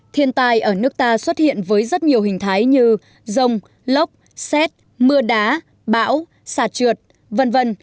thiên tai ở nước ta xuất hiện với rất nhiều hình thái như rông lốc xét mưa đá bão sạt trượt v v